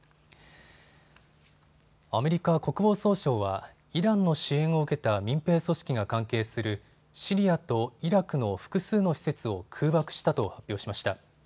アメリカ国防総省はイランの支援を受けた民兵組織が関係するシリアとイラクの複数の施設を空爆したと発表しました。